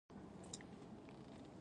د کرفس ګل د وزن لپاره وکاروئ